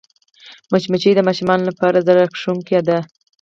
مچمچۍ د ماشومانو لپاره زړهراښکونکې ده